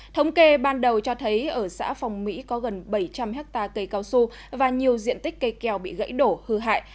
thống kê ban đầu cho thấy ở xã phong mỹ có gần bảy trăm linh hectare cây cao su và nhiều diện tích cây keo bị gãy đổ hư hại